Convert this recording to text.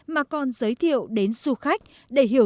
mà còn giới thiệu đến những người phụ nữ trong gia đình làm nên